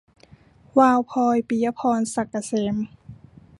วาวพลอย - ปิยะพร ศักดิ์เกษม